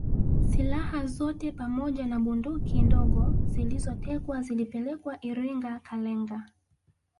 Silaha zote pamoja na bunduki ndogo zilizotekwa zilipelekwa Iringa Kalenga